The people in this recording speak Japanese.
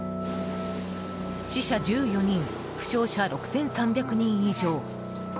死者１４人負傷者６３００人以上。